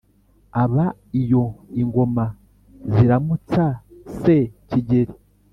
Aba iyo ingoma ziramutsa se Kigeli